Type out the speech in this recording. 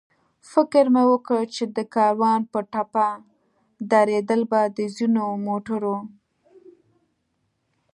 فکر مې وکړ چې د کاروان په ټپه درېدل به د ځینو موټرو.